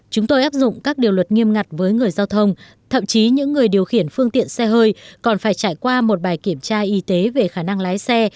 chúng tôi áp dụng các điều luật nghiêm ngặt với người giao thông thậm chí những người điều khiển phương tiện xe hơi còn phải trải qua một bài kiểm tra y tế về khả năng lái xe